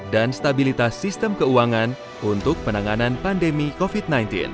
dan stabilitas sistem keuangan untuk penanganan pandemi covid sembilan belas